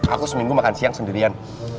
aku seminggu makan siang sendirian